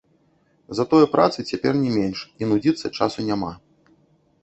Затое працы цяпер не менш і нудзіцца часу няма.